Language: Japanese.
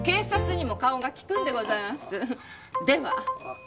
では。